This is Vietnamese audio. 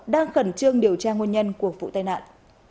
đang khẩn trương điều tra nguồn nhân của vụ tai nạn